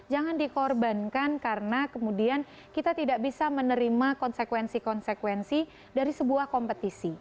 jangan dikorbankan karena kemudian kita tidak bisa menerima konsekuensi konsekuensi dari sebuah kompetisi